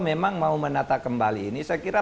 memang mau menata kembali ini saya kira